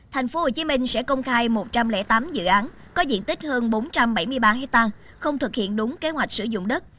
tp hcm sẽ công khai một trăm linh tám dự án có diện tích hơn bốn trăm bảy mươi ba hectare không thực hiện đúng kế hoạch sử dụng đất